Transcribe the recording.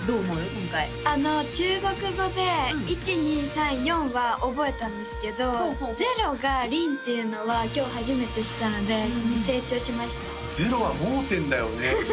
今回中国語で「１２３４」は覚えたんですけど「０」が「リン」っていうのは今日初めて知ったのでちょっと成長しました「０」は盲点だよね